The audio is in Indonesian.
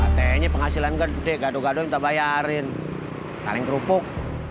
ate nya penghasilan gede gado gado minta bayarin kalian kerupuk